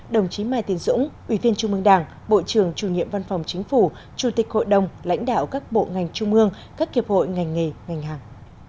đồng chí mai tiến dũng ủy viên trung mương đảng bộ trưởng chủ nhiệm văn phòng chính phủ chủ tịch hội đồng lãnh đạo các bộ ngành trung mương các kiệp hội ngành nghề ngành hàng